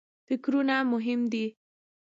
فکرونه مهم دي.